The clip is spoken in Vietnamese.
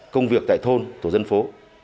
công việc tại thôn tổ dân phố